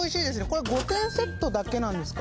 これ５点セットだけなんですか？